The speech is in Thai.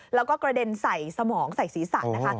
แล้วก็กระเด็นใส่สมองใส่ศีรษะนะคะ